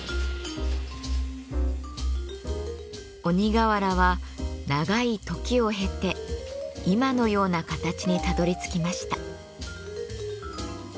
鬼瓦は長い時を経て今のような形にたどりつきました。